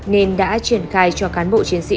nên đã triển khai cho cán bộ chiến sĩ